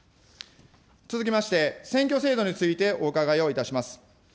続きまして、選挙制度についてお伺いをいたします。